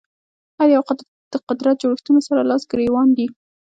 هر یو د قدرت جوړښتونو سره لاس ګرېوان دي